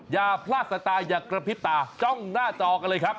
อย่าพลาดสายตาอย่ากระพริบตาจ้องหน้าจอกันเลยครับ